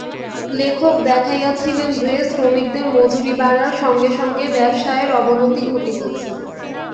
লেখক দেখাইয়াছিলেন যে, শ্রমিকদের মজুরী বাড়ার সঙ্গে সঙ্গে ব্যবসায়ের অবনতি ঘটিতেছে।